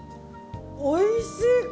おいしい！